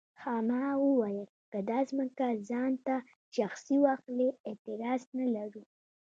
خاما وویل که دا ځمکه ځان ته شخصي واخلي اعتراض نه لرو.